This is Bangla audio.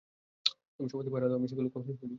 তুমি সমাধি পাহারা দাও, আমি সেগুলো খনন করি!